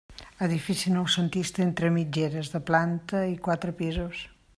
Edifici noucentista entre mitgeres, de planta i quatre pisos.